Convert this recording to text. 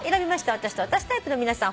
私と私タイプの皆さん